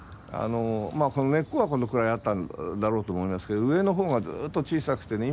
この根っこはこのくらいあったんだろうと思いますけど上のほうがずっと小さくてね